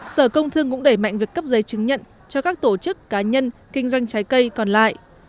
sở công thương cũng đẩy mạnh việc cấp giấy chứng nhận cho các tổ chức cá nhân kinh doanh trái cây còn lại